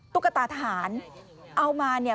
ตุ๊กตาทหารเอามาเนี่ย